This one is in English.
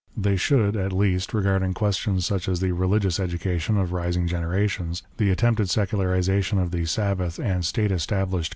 They should, at least, regarding questions such as the religious education of rising generations, the attempted secularisation of the Sabbath and state established.